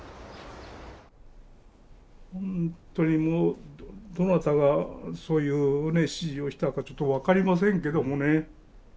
本当にもうどなたがそういうね指示をしたかちょっと分かりませんけどもね。